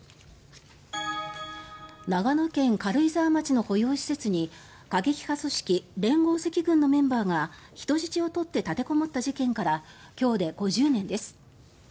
長野県軽井沢町の保養施設に過激派組織連合赤軍のメンバーが人質を取って立てこもった事件から今日で５０年です。